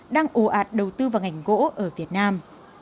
đang ồ ạt đầu tư vào ngành gỗ ở việt nam